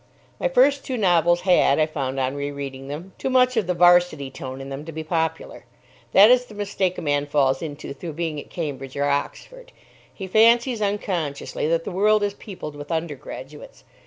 My first two novels had, I found on re reading them, too much of the 'Varsity tone in them to be popular. That is the mistake a man falls into through being at Cambridge or Oxford. He fancies unconsciously that the world is peopled with undergraduates.